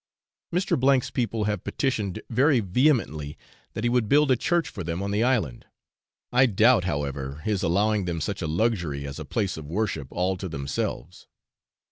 Mr. 's people have petitioned very vehemently that he would build a church for them on the island. I doubt, however, his allowing them such a luxury as a place of worship all to themselves.